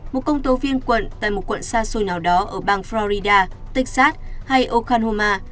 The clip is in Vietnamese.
một công tố viên quận tại một quận xa xôi nào đó ở bang florida texas hay okhanoma